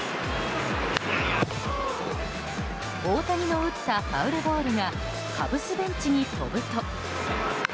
大谷の打ったファウルボールがカブスベンチに飛ぶと。